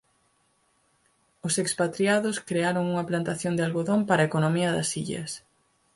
Os expatriados crearon unha plantación de algodón para a economía das illas.